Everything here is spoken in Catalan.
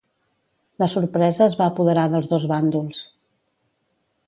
La sorpresa es va apoderar dels dos bàndols.